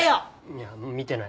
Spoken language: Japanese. いや見てない。